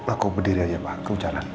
aku berdiri aja pak